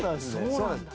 そうなんです。